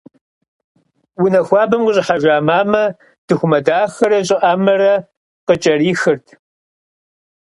Унэ хуабэм къыщӏыхьэжа мамэ дыхумэ дахэрэ щӏыӏэмэрэ къыкӏэрихырт.